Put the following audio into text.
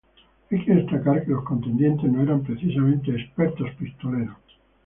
Hay que destacar que los contendientes no eran precisamente expertos pistoleros.